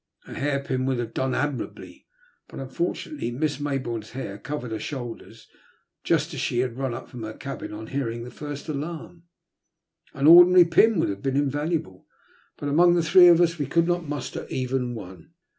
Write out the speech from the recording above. A hair pin would have done admirably ; but, unfortunately. Miss Maybourne's hair covered her shoulders just as she had run up from her cabin on hearing the first alarm. An ordinary pin would have been invaluable; but among the three of us we could not muster even one.